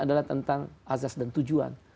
adalah tentang azas dan tujuan